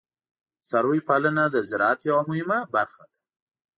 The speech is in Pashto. د څارویو پالنه د زراعت یوه مهمه برخه ده.